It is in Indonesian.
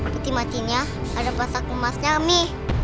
peti matinya ada pasak lemasnya mi